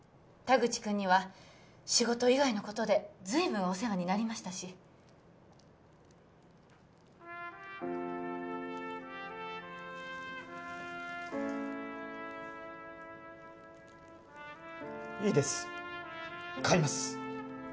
田口くんには仕事以外のことで随分お世話になりましたしいいです買います